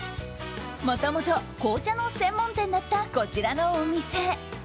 もともと紅茶の専門店だったこちらのお店。